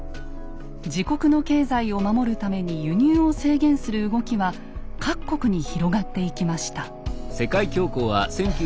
自国の経済を守るために輸入を制限する動きは各国に広がっていきました。